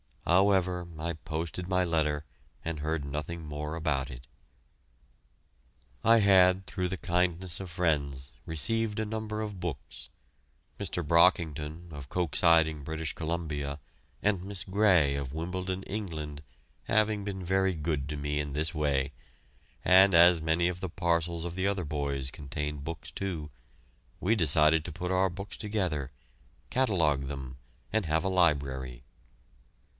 However, I posted my letter and heard nothing more about it. I had, through the kindness of friends, received a number of books, Mr. Brockington, of Koch Siding, British Columbia, and Miss Grey, of Wimbledon, England, having been very good to me in this way; and as many of the parcels of the other boys contained books, too, we decided to put our books together, catalogue them, and have a library.